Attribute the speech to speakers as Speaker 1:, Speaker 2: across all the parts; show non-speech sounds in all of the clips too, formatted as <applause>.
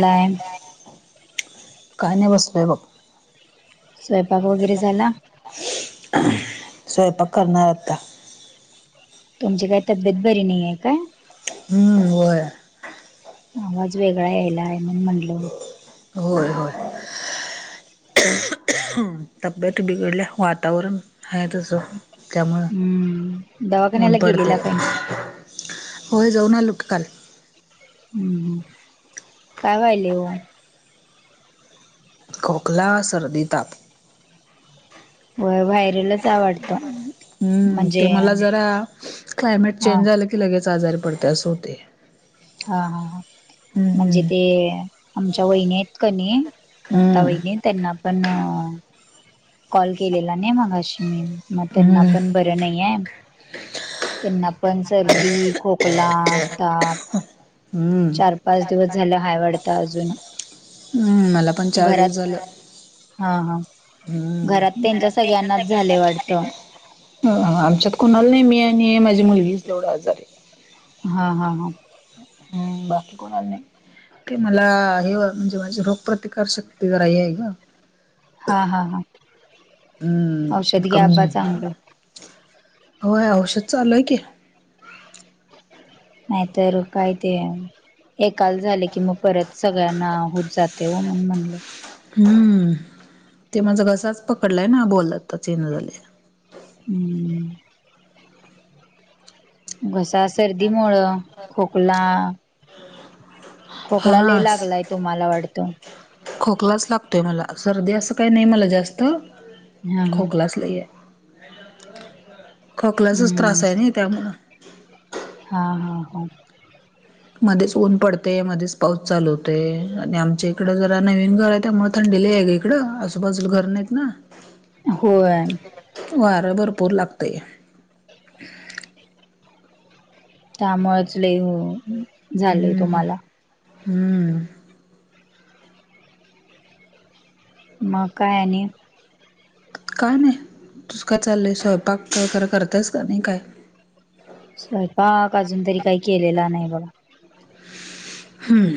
Speaker 1: काय
Speaker 2: काय नाही.. बसलोय बघ.
Speaker 1: स्वयंपाक वगैरे झाला?
Speaker 2: स्वयंपाक करणार आता
Speaker 1: तुमची काय तब्येत बरी नई आहे का?
Speaker 2: हम्म.. होय.
Speaker 1: आवाज वेगळा यायलाय म्हणून म्हटलं.
Speaker 2: होय होय. तब्येत बिघडल्या वातावरण आहेतच
Speaker 1: हम्म
Speaker 2: ऊन
Speaker 1: दवाखान्याला
Speaker 2: पडते
Speaker 1: गेलेला का नई?
Speaker 2: होय जाऊन आलो की काल
Speaker 1: हम्म हम्म, काय व्हायलय ओ?
Speaker 2: खोकला सर्दी ताप.
Speaker 1: व्हय वायरलच हाय वाटतं.
Speaker 2: हम्म
Speaker 1: म्हणजे
Speaker 2: ते मला जरा क्लायमेट
Speaker 1: हा
Speaker 2: चेंज झालं की, लगेच आजारी पडते असं होतय.
Speaker 1: हा हा हा, म्हणजे ते आमच्या वहिनी आहेत क नाही. मुक्ता
Speaker 2: हम्म. हम्म
Speaker 1: वहिनी त्यांना पण कॉल केलेला नाही मगाशी मी मग त्यांना
Speaker 2: हम्म
Speaker 1: पण बरं नाही आहे. त्यांना पण सर्दी खोकला ताप.
Speaker 2: हम्म
Speaker 1: चार पाच दिवस झालं हाय वाढत अजून.
Speaker 2: हम्म मला पण चार दिवस
Speaker 1: घरात
Speaker 2: झाल.
Speaker 1: हा हा घरात
Speaker 2: हम्म.
Speaker 1: त्यांच्या सगळ्यांनाच झाले वाटतं
Speaker 2: हा, आमच्यात कोणाला नाही मी आणि माझी मुलगीच तेवढं आजारी.
Speaker 1: हा हा हा.
Speaker 2: हम्म बाकी कोणाला नाही. ते मला हे व्ह म्हणजे माझी रोग प्रतिकार शक्ती जरा हे आहे ग.
Speaker 1: हा हा हा, औषध
Speaker 2: हम्म
Speaker 1: घ्या वाबा
Speaker 2: कमी
Speaker 1: चांगलं.
Speaker 2: होय औषध चालूय की.
Speaker 1: नाहीतर काय ते. एकाल झालं, की मग परत सगळ्यांना होत जाते ओ म्हणून म्हणल.
Speaker 2: हम्म ते माझा घसाच पकडलाय ना, बोलताच येईना झालय.
Speaker 1: हम्म घसा सर्दीमुळे खोकला. खोकला लय
Speaker 2: हा.
Speaker 1: लागलाय तुम्हाला वाटतं.
Speaker 2: खोकलाच लागतोय मला, सर्दी असं काही नाही मला जास्त.
Speaker 1: हा हा
Speaker 2: खोकलाच लय हाय, खोकल्याचाच त्रास
Speaker 1: हम्म
Speaker 2: आहे ना त्यामुळे.
Speaker 1: हा हा हा.
Speaker 2: मध्येच ऊन पडते मध्येच पाऊस चालवतते आणि आमच्या इकड जरा नवीन घर आहे त्यामुळे थंडी लई हाय ग इक इकडं आजूबाजूला घर नाहीत ना.
Speaker 1: होय
Speaker 2: वार भरपूर लागतय
Speaker 1: त्यामुळेच लय हो
Speaker 2: हम्म हम्म.
Speaker 1: मकाय आणि?
Speaker 2: काय नाही तुस काय चाललंय स्वयंपाक करतस का नाही काय?
Speaker 1: स्वयंपाक अजून तरी काही केलेला नाही बघ.
Speaker 2: हम्म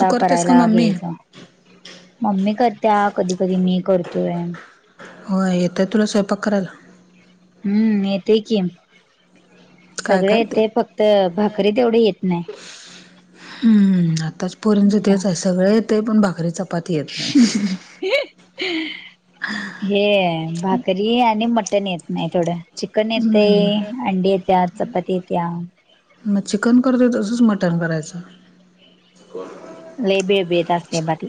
Speaker 2: तू करतेस का
Speaker 1: करायला
Speaker 2: मम्मी
Speaker 1: घ्यायचा मम्मी करते कधी कधी मी करतोय.
Speaker 2: होय येतोय तुला स्वयंपाक करायला?
Speaker 1: हम्म येत की.
Speaker 2: काय
Speaker 1: सगळे
Speaker 2: काय ते
Speaker 1: येतंय फक्त भाकरी तेवढी येत नाही.
Speaker 2: हम्म आताच पोर्यंतच
Speaker 1: नाही
Speaker 2: तेच आहे सगळे येते पण भाकरी चप
Speaker 1: <unintelligible> हे भाकरी आणि मटण येत नाही थोडं. चिकन
Speaker 2: हम्म
Speaker 1: येतंय अंडी येत्यात चपाती येतीया.
Speaker 2: म चिकन करतोय तसंच मटण करायचं. <unintelligible>
Speaker 1: लई बिळबिळीतं असतंय बा ते.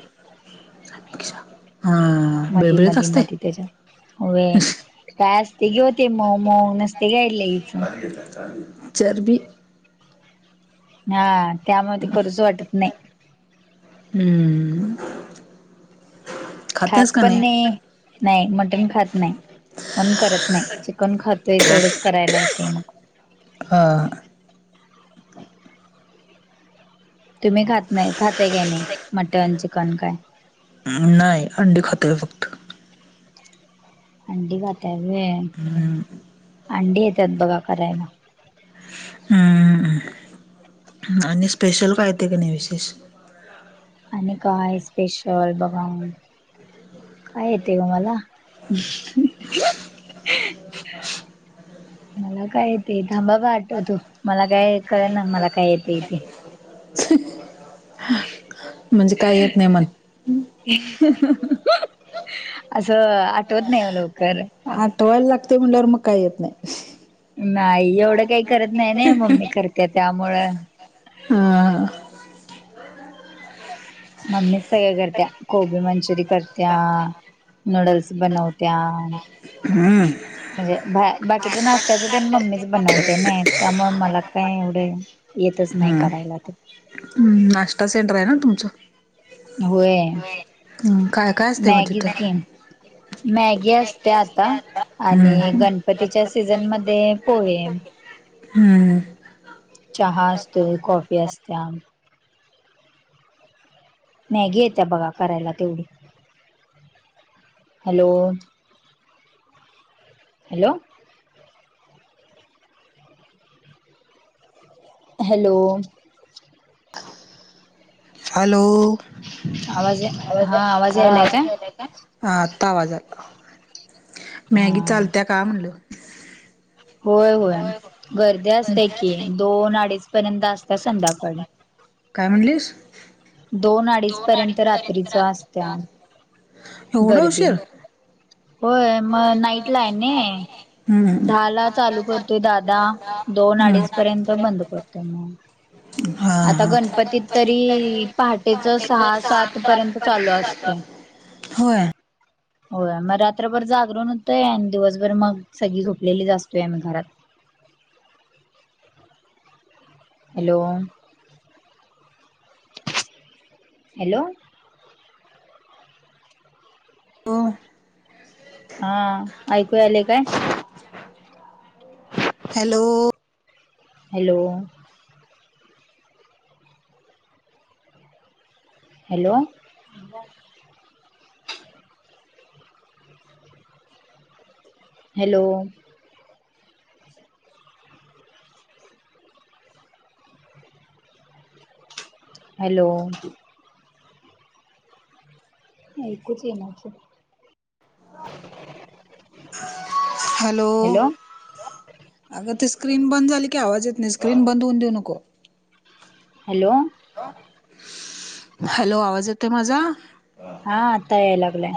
Speaker 2: हा
Speaker 1: मधी
Speaker 2: बेळबेळीत
Speaker 1: मधी
Speaker 2: असते
Speaker 1: मधी त्याच्या व्हयं. काय असतंय की वो ते मऊ मऊ नसतंय काय लईच.
Speaker 2: चर्बी.
Speaker 1: हा त्यामुळ ते करूच वाटत नाही.
Speaker 2: हम्म खातेस
Speaker 1: खात
Speaker 2: का
Speaker 1: पण नाही. नाही मटन खात नाही. पण करत नाही चिकन खातोय तेवढंच करायला येतंय मग.
Speaker 2: हां
Speaker 1: तुम्ही खातं नाही खात्याय काय नाही मटन चिकन काय?
Speaker 2: अह् नाही अंडी खातोय फक्त
Speaker 1: अंडी खाताय व्हंय अंडी येतात बघा करायला.
Speaker 2: हम्म आणि स्पेशल काय येतंय का नाही विशेष?
Speaker 1: आणि काय स्पेशल बघा, काय येतंय गं मला? <unintelligible> मला काय येतंय थांबा बा आठवतो मला काय कळना मला काय येतय ते.
Speaker 2: <unintelligible>
Speaker 1: <unintelligible>
Speaker 2: म्हणजे काय येत नाही म्हणं.
Speaker 1: असं आठवत नाही वो लवकर.
Speaker 2: आठवायला लागतंय म्हंल्यावर मग काय येत नाही.
Speaker 1: नाही एवढं काही करत नाही ने मम्मी करते त्यामुळं.
Speaker 2: ह्अ
Speaker 1: मम्मीच सगळं करतीया कोबी मंचुरी करतीया, नूडल्स बनवतिया.
Speaker 2: हम्म
Speaker 1: म्हणजे बाकीच नाश्त्याचं तेन मम्मीच बनवते ना त्यामुळे मला काय एवढं येतच नाही
Speaker 2: हम्म
Speaker 1: करायला ते.
Speaker 2: हम्म नाश्ता सेंटर आहे ना तुमचं?
Speaker 1: होय
Speaker 2: हम्म काय काय असते मग
Speaker 1: मॅगीज
Speaker 2: तिथं?
Speaker 1: किज. मॅगी असतिया आता आणि
Speaker 2: हम्म
Speaker 1: गणपतीच्या सीझनमध्ये पोहे.
Speaker 2: हम्म
Speaker 1: चहा असतो कॉफी असतीया. मॅगी येतीया बघा करायला तेवढी हॅलो. हॅलो हॅलो
Speaker 2: हॅलो आवाज यायला काय? हा आता आवाज आला मॅगी
Speaker 1: हा
Speaker 2: चालतीया का म्हटलं?
Speaker 1: होय होय गर्दी असतीया की दोन अडीच पर्यंत असतीया संध्याकाळी.
Speaker 2: काय म्हणलीस?
Speaker 1: दोन अडीच पर्यंत रात्रीचा असत्या.
Speaker 2: एवढं
Speaker 1: गर्दी
Speaker 2: उशीर
Speaker 1: होय म नाईटला आहे ने
Speaker 2: हम्म
Speaker 1: दहाला चालू करतोय दादा. दोन अडीच पर्यंत बंद पडतो म.
Speaker 2: हा
Speaker 1: आता
Speaker 2: हा
Speaker 1: गणपतीत तरी त्याच सहा-सात पर्यंत चालू असते.
Speaker 2: होय.
Speaker 1: होय म रात्रभर जागरण होतंय आणि दिवसभर मग सगळी झोपलेलीच असतोय आम्ही घरात. हॅलो. हॅलो.
Speaker 2: लो
Speaker 1: हा ऐकू याले काय?
Speaker 2: Hello.
Speaker 1: Hello. Hello. <inaudible> Hello. Hello. ऐकुच येई नाच.
Speaker 2: हॅलो.
Speaker 1: हॅलो
Speaker 2: अगं ते स्क्रीन बंद झाली की आवाज येत नाही स्क्रीन बंद होऊन देऊ नको.
Speaker 1: हॅलो.
Speaker 2: हॅलो आवाज येतोय माझा?
Speaker 1: हा आता याय लागलाय.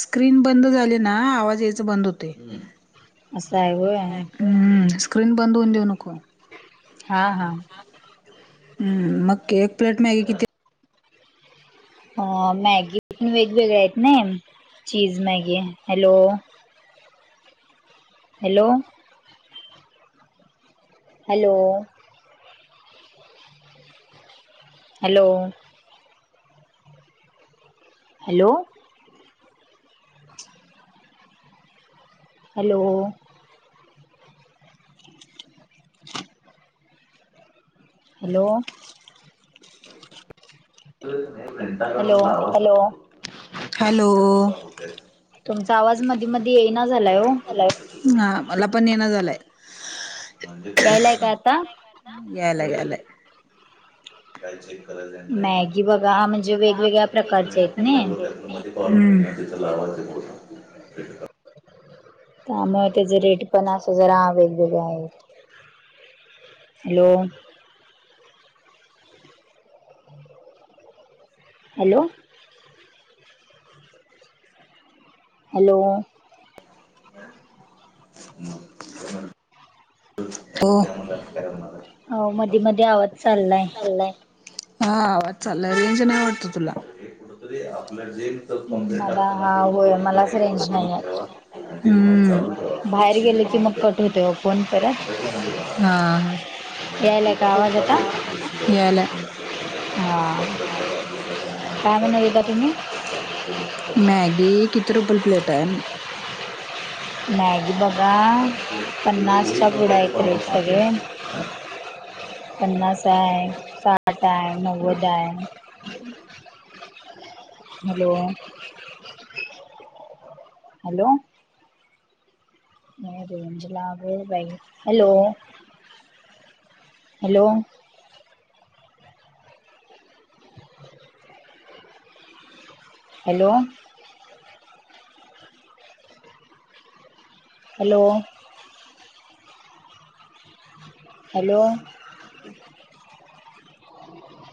Speaker 2: स्क्रीन बंद झाली ना आवाज यायचा बंद होतय.
Speaker 1: असा हाय होय.
Speaker 2: हम्म स्क्रीन बंद होऊन देऊ नको.
Speaker 1: हा हा.
Speaker 2: हम्म मग की एक प्लेट मॅग किती
Speaker 1: अ मॅगी पण वेगवेगळ्या आहेत ना cheese Maggi hello. Hello. Hello. Hello. Hello. Hello. Hello. Hello
Speaker 2: hello hello.
Speaker 1: तुमचा आवाज मधी मधी येईना झालाय ओ.
Speaker 2: हा मला पण येेणा झालाय.
Speaker 1: यायलाय का आता
Speaker 2: याला यालाय.
Speaker 1: वा म्हणजे वेगवेगळ्या प्रकारचे आहेत नी.
Speaker 2: हम्म.
Speaker 1: त्यामुळ त्याजे रेट पण असं जरा वेगवेगळे आहे. हॅलो. हॅलो. हॅलो.
Speaker 2: <inaudible> हो.
Speaker 1: हो, मधी मधी आवाज चालाय.
Speaker 2: चालाय हा आवाज चालाय, रेंज नाही वाटत तुला.
Speaker 1: मला हा होय मलाच रेंज नाही आहे
Speaker 2: हं.
Speaker 1: बाहेर गेल की, मग कट होतंय ओ फोन परत.
Speaker 2: हा हा.
Speaker 1: यायलाय का आवाज आता?
Speaker 2: यालाय.
Speaker 1: हा काय म्हणत होता तुम्ही?
Speaker 2: मॅग किती रुपयला प्लेट आहे.
Speaker 1: मॅगी बघा, पन्नासच्या पुढं आहे रेट सगळे. <inaudible> पन्नास हाय, साठ आय नव्वद आय. Hello hello. रेंजला गं बाई hello hello. Hello. Hello. Hello.